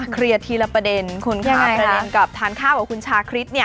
เคลียร์ทีละประเด็นคุณค่ะประเด็นกับทานข้าวของคุณชาคริสต์เนี่ย